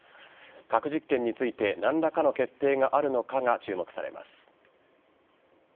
核実験について何らかの決定があるのかが注目されます。